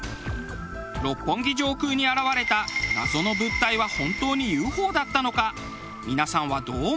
六本木上空に現れた謎の物体は本当にＵＦＯだったのか。